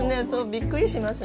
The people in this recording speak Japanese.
びっくりしますね。